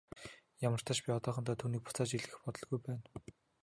Ямартаа ч би одоохондоо түүнийг буцааж илгээх бодолгүй байна.